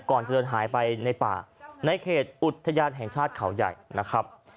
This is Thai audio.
ก่อนจะเดินหายไปในป่าในเขตอุทยานแห่งชาติเขาใหญ่นะครับ